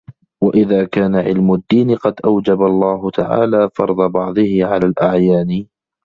وَإِذَا كَانَ عِلْمُ الدِّينِ قَدْ أَوْجَبَ اللَّهُ تَعَالَى فَرْضَ بَعْضِهِ عَلَى الْأَعْيَانِ